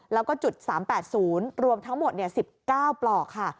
แล้วก็จุดสามแปดศูนย์รวมทั้งหมดเนี่ยสิบเก้าปลอกค่ะ